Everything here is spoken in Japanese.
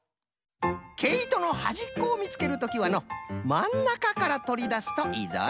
けいとのはじっこをみつけるときはのまんなかからとりだすといいぞい。